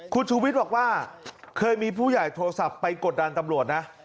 คุณชูวิทย์บอกว่าเคยมีผู้ใหญ่โทรศัพท์ไปกดดันตำรวจนะ